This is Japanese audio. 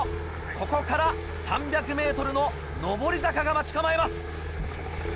ここから３００ｍの上り坂が待ち構えます。